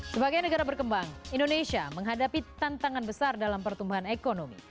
sebagai negara berkembang indonesia menghadapi tantangan besar dalam pertumbuhan ekonomi